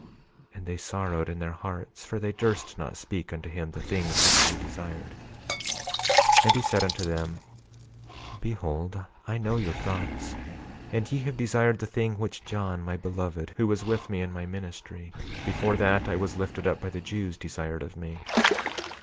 28:5 And they sorrowed in their hearts, for they durst not speak unto him the things which they desired. 28:6 And he said unto them: Behold, I know your thoughts, and ye have desired the thing which John, my beloved, who was with me in my ministry, before that I was lifted up by the Jews, desired of me.